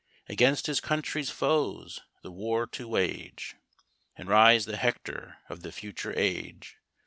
Against his country's foes the war to wage, And rise the Hector of the future age!